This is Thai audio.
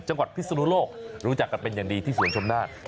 จังหวัดพิศนุโลกรู้จักกันเป็นอย่างดีที่สวนชมด้าน